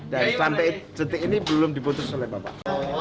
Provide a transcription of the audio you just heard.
dan sampai cetik ini belum diputus oleh bapak